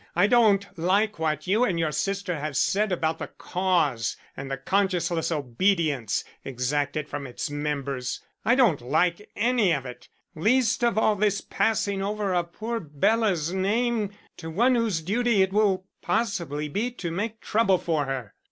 I don't like what you and your sister have said about the Cause and the conscienceless obedience exacted from its members. I don't like any of it; least of all this passing over of poor Bela's name to one whose duty it will possibly be to make trouble for her."